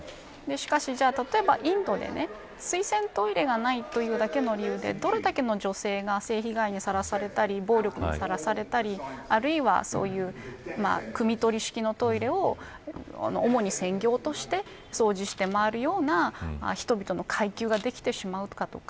しかし、例えばインドで水洗トイレがないというだけの理由でどれだけの女性が性被害にさらされたり暴力にさらされたりあるいは、くみ取り式のトイレを主に専業として掃除して回るような人々の階級ができてしまうとか